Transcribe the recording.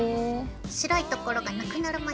白い所がなくなるまで。